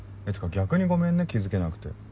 逆にごめんね気付けなくて。